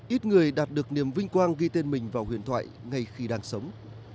ít người đạt được niềm vinh quang ghi tên mình vào huyền thoại ngay khi đang sống